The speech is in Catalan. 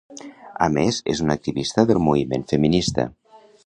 A més, és una activista del moviment feminista.